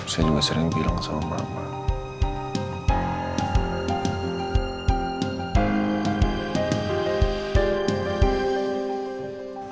saya juga sering bilang sama mama